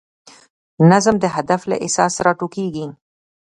نظم د هدف له احساس نه راټوکېږي.